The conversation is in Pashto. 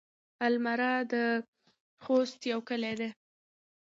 المره د خوست يو کلی دی.